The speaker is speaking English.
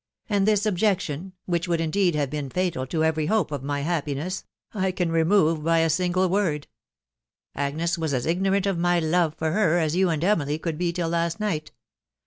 . And this objection, which would indeed have been fatal to every hope of happiness, I can remove by a single word .... Agnes was as ignorant of my love for her as you and Emily could be till last night.